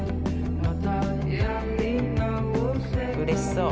うれしそう。